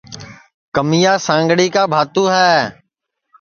کمیا سانڳڑی کا بھانتوں ہے